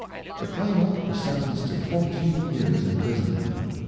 The Claimant was sentenced to 14 years' imprisonment.